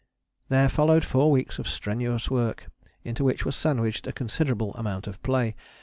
There followed four weeks of strenuous work into which was sandwiched a considerable amount of play.